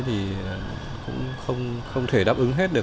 thì cũng không thể đáp ứng hết được